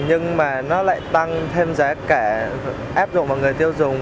nhưng mà nó lại tăng thêm giá cả áp dụng vào người tiêu dùng